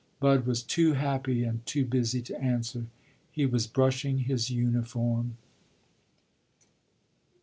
Bud was too happy and too busy to answer; he was brushing his uniform.